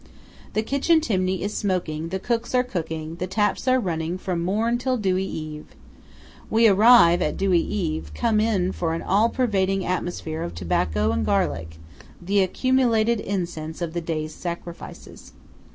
The kitchen chimney is smoking, the cooks are cooking, the taps are running "from morn till dewy eve." We, arriving at dewy eve, come in for an all pervading atmosphere of tobacco and garlic–the accumulated incense of the day's sacrifices.